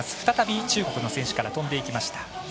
再び中国の選手から飛んでいきました。